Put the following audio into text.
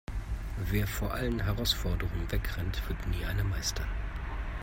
Wer vor allen Herausforderungen wegrennt, wird nie eine meistern.